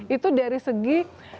itu dari segi